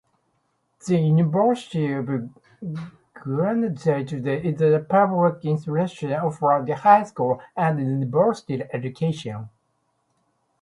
The University of Guanajuato is a public institution offering highschool and university education.